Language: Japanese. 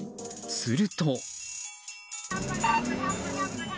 すると。